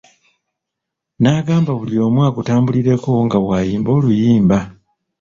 Nagamba buli omu agutambulireko nga wayimba oluyimba.